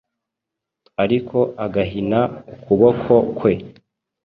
ariko agahina ukuboko kwe